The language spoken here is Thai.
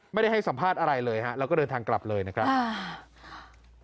ไม่ได้ให้สัมภาษณ์อะไรเลยเราก็เดินทางกลับเลยนะครับ